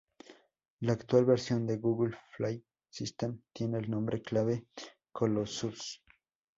La actual versión de Google File System tiene el nombre clave Colossus.